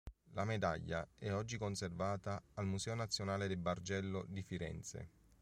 La medaglia è oggi conservata al Museo Nazionale del Bargello di Firenze.